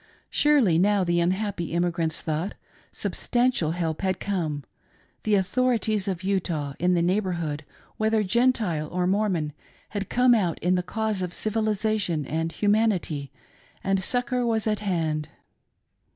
Surely now, the unhapj^ emigrants thought, sub stantial help had come — the authorities of Utah in the neighborhood, whether Gentile 'or Mormon, had come out in the cause of civilisation and humanity, and succor was at hand.